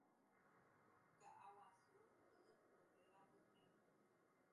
Ka'a guasu hypy'ũvéva mbytépe